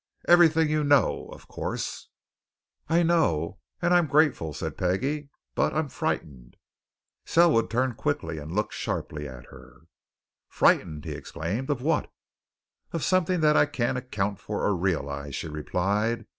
"Everything you know, of course." "I know and I'm grateful," said Peggie. "But I'm frightened." Selwood turned quickly and looked sharply at her. "Frightened?" he exclaimed. "Of what?" "Of something that I can't account for or realize," she replied.